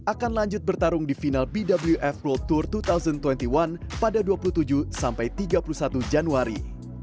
akan lanjut bertarung di final bwf world tour dua ribu dua puluh satu pada dua puluh tujuh sampai tiga puluh satu januari